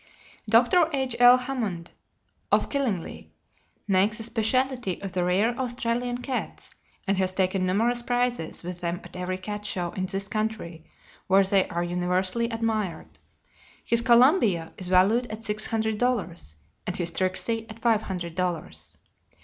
Dr. H.L. Hammond, of Killingly, Ct., makes a speciality of the rare Australian cats, and has taken numerous prizes with them at every cat show in this country, where they are universally admired. His Columbia is valued at six hundred dollars, and his Tricksey at five hundred dollars.